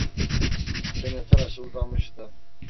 Gene tıraşı uzamıştı.